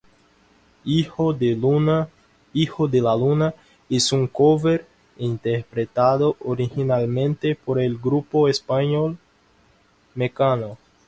Hijo de la Luna es un cover interpretado originalmente por el grupo español Mecano.